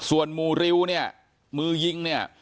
ส่วนหมู่ริวเนี่ยมือยิงเนี่ย